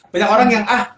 banyak orang yang ah